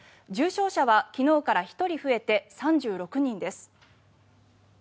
重症者は昨日から１人増えて３６人です。